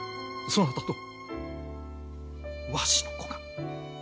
そなたとわしの子が。